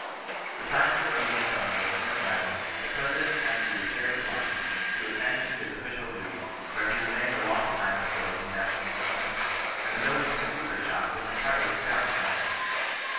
The time for a meeting of Congress soon arriving, the President had to repair to Washington to attend to his official duties, where he remained a long time absorbed in national concerns, and the building of the cooper's shop was en tirely forgotten by him.